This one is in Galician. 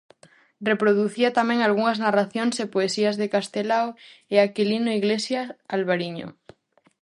Reproducía tamén algunhas narracións e poesías de Castelao e Aquilino Iglesia Alvariño.